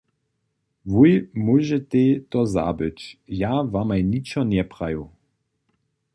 Wój móžetej to zabyć, ja wamaj ničo njepraju.